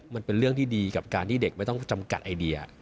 มันเป็นเรื่องที่ดีกับการที่เด็กไม่ต้องจำกัดไอเดีย